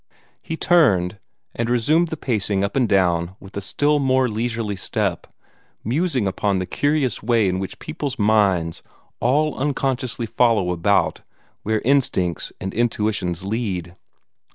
He turned, and resumed the pacing up and down with a still more leisurely step, musing upon the curious way in which people's minds all unconsciously follow about where instincts and intuitions lead.